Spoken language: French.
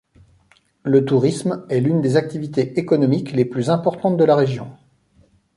Le tourisme est l’une des activités économiques les plus importantes de la région.